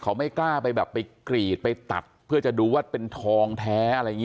เขาไม่กล้าไปแบบไปกรีดไปตัดเพื่อจะดูว่าเป็นทองแท้อะไรอย่างนี้